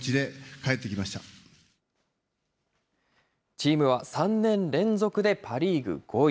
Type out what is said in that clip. チームは３年連続でパ・リーグ５位。